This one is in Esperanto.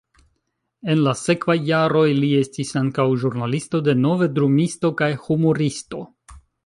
En la sekvaj jaroj li estis ankaŭ ĵurnalisto, denove drumisto kaj humuristo.